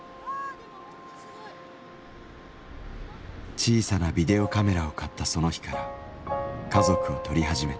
「小さなビデオカメラを買ったその日から家族を撮り始めた」。